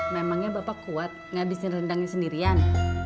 memangnya bapak kuat ngabisin rendangnya sendirian